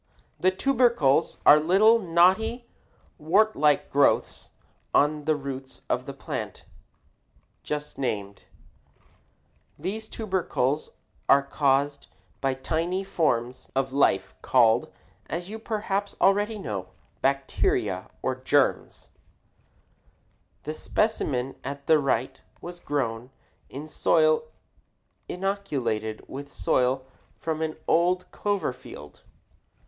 The tubercles are little knotty, wart like growths on the roots of the plants just named. These tubercles are caused by tiny forms of life called, as you perhaps already know, bacteria, or germs. [Illustration: FIG. 23. TUBERCLES ON CLOVER ROOTS The specimen at the right was grown in soil inoculated with soil from an old clover field.